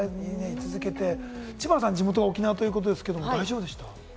知花さん、地元が沖縄ということですけれども大丈夫でした？